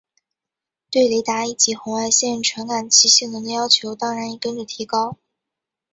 对雷达以及红外线传感器性能的要求当然也跟着提高。